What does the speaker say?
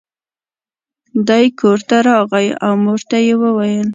دی کور ته راغی او مور ته یې وویل.